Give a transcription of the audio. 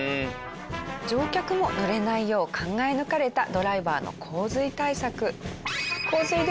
乗客も濡れないよう考え抜かれたドライバーの洪水対策。